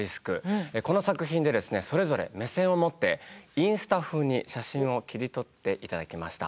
この作品でですねそれぞれ目線を持ってインスタ風に写真を切り取って頂きました。